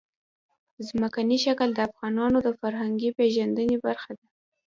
ځمکنی شکل د افغانانو د فرهنګي پیژندنې برخه ده.